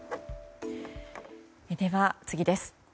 では、次です。